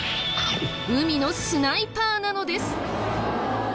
海のスナイパーなのです。